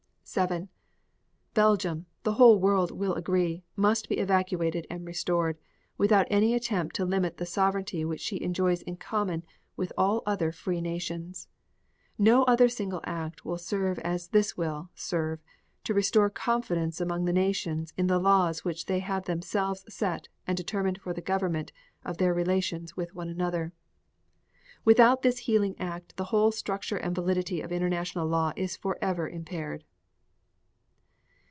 7. Belgium, the whole world will agree, must be evacuated and restored, without any attempt to limit the sovereignty which she enjoys in common with all other free nations. No other single act will serve as this will serve to restore confidence among the nations in the laws which they have themselves set and determined for the government of their relations with one another. Without this healing act the whole structure and validity of international law is forever impaired.